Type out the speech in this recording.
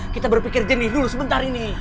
kita berpikir jenih dulu sebentar ini